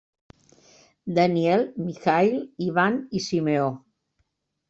Daniel, Mikhaïl, Ivan i Simeó.